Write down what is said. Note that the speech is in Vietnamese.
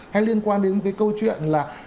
hay liên quan đến cái câu chuyện là